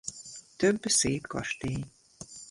Több szép kastély.